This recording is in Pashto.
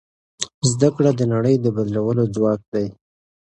زده کړه د نړۍ د بدلولو ځواک دی.